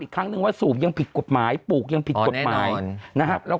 ครั้งนึงว่าสูบยังผิดกฎหมายปลูกยังผิดกฎหมายนะครับแล้ว